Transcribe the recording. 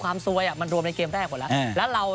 ซวยมันรวมในเกมแรกหมดแล้ว